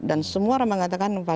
dan semua orang mengatakan